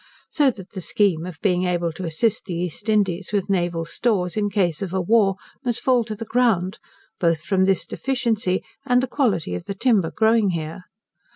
So that the scheme of being able to assist the East Indies with naval stores, in case of a war, must fall to the ground, both from this deficiency, and the quality of the timber growing here.